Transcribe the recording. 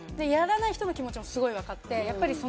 やらない人の気持ちもすごい分かって。